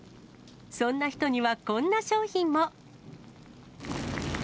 そんな人にはこんな商品も。